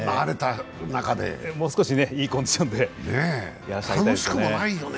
もう少しいいコンディションでやらせてあげたいですね。